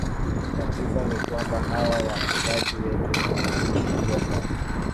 tatizo ni kwamba hawa wachezaji wetu hawajui sheria za